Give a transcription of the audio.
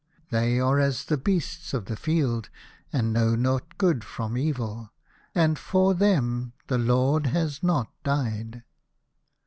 They are as the beasts of the field that know not good from evil, and for them the Lord has not died."